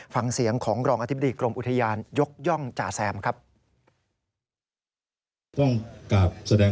ฟังเสียงของรองอธิบดีกรมอุทยานยกย่องจ่าแซมครับ